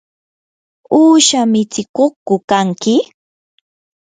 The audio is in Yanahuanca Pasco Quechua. ¿uusha mitsikuqku kanki?